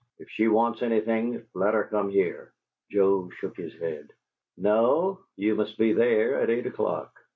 "If she wants anything, let her come here." Joe shook his head. "No. You must be there at eight o'clock."